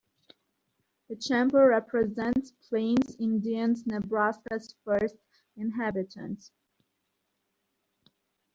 The chamber represents Plains Indians-Nebraska's first inhabitants.